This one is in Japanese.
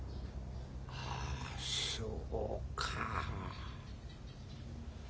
あそうか。